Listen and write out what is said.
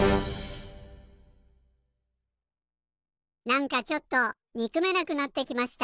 なんかちょっとにくめなくなってきました。